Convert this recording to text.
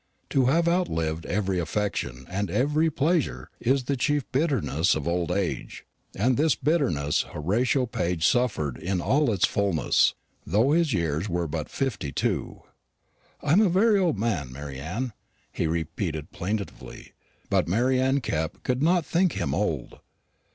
To have outlived every affection and every pleasure is the chief bitterness of old age; and this bitterness Horatio Paget suffered in all its fulness, though his years were but fifty two. "I am a very old man, Mary Anne," he repeated plaintively. But Mary Anne Kepp could not think him old.